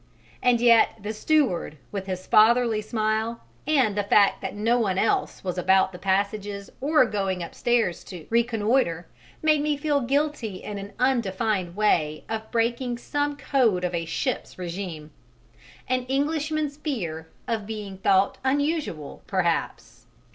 And yet the steward, with his fatherly smile, and the fact that no one else was about the passages or going upstairs to reconnoitre, made me feel guilty in an undefined way of breaking some code of a ship's régime an Englishman's fear of being thought "unusual," perhaps!